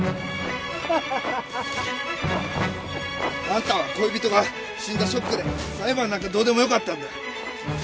あんたは恋人が死んだショックで裁判なんかどうでもよかったんだ。